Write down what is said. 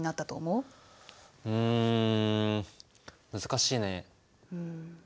うん難しいね。